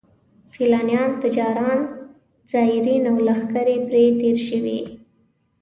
سیلانیان، تجاران، زایرین او لښکرې پرې تېر شوي.